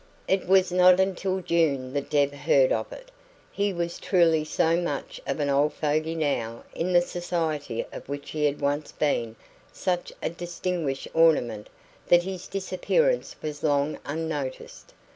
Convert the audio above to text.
It was not until June that Deb heard of it. He was truly so much of an old fogey now in the society of which he had once been such a distinguished ornament that his disappearance was long unnoticed.